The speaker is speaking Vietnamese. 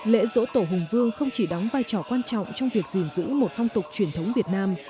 lễ dỗ tổ hùng vương không chỉ đóng vai trò quan trọng trong việc gìn giữ một phong tục truyền thống việt nam